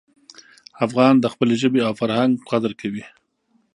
افغان د خپلې ژبې او فرهنګ قدر کوي.